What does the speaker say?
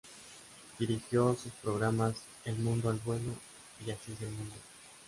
Dirigió sus programas "El mundo al vuelo" y "Así es el mundo".